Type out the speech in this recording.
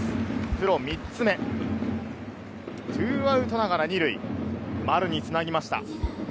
プロ３つ目、２アウトながら２塁、丸につなぎました。